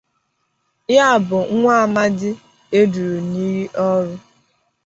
ya bụ nwa amadi e dùrù n'iyi ọrụ